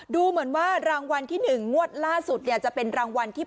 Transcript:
ถึงงวดล่าสุดจะเป็นรางวัลที่